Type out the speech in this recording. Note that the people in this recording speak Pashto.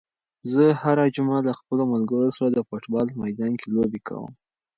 زه هره جمعه له خپلو ملګرو سره د فوټبال په میدان کې لوبې کوم.